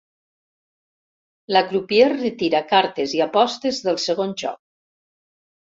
La crupier retira cartes i apostes del segon joc.